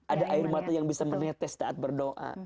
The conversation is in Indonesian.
ada air mata yang bisa menetes saat berdoa